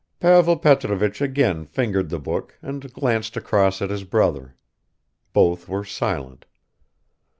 Pavel Petrovich again fingered the book and glanced across at his brother. Both were silent.